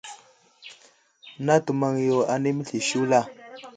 Natu maŋ yo anay məsliyo ashula.